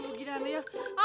gue kayak dikejar konten tapi